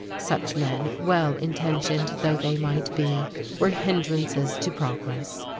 Such men, well intentioned though they might be, were hindrances to progress.